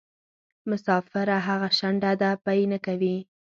مسافره هغه شڼډه ده پۍ نکوي.